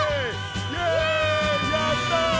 イエイやった！